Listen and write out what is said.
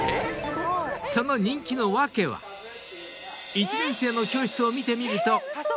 ［１年生の教室を見てみると］